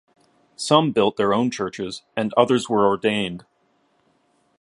Some built their own churches, and others were ordained.